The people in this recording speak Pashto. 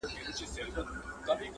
• هم په عقل هم په ژبه گړندى وو -